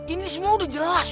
ini semua udah jelas